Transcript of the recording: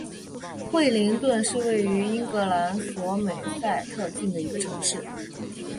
威灵顿是位于英格兰索美塞特郡的一个城市。